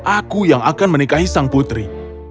aku yang akan menikahi sang putri